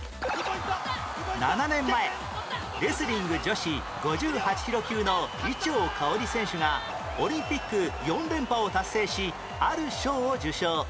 ７年前レスリング女子５８キロ級の伊調馨選手がオリンピック４連覇を達成しある賞を受賞